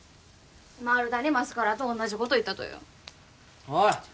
マルタニマスカラと同じこと言ったとよおいっ！